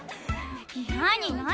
何？